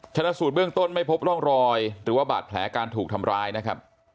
ชนะสูตรเบื้องต้นไม่พบร่องรอยหรือว่าบาดแผลการถูกทำร้ายนะครับ